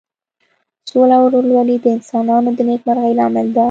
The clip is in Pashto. سوله او ورورولي د انسانانو د نیکمرغۍ لامل ده.